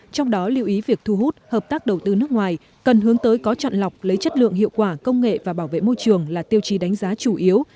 trong đó lưu ý việc thu hút hợp tác đầu tư nước ngoài cần hướng tới có chọn lọc lấy chất lượng hiệu quả công nghệ và bảo vệ môi trường là tiêu chí đánh giá chủ yếu